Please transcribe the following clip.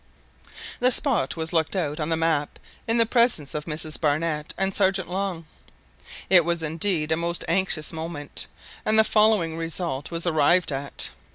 The spot was looked out on the map in the presence of Mrs Barnett and Sergeant Long. It was indeed a most anxious moment, and the following result was arrived at.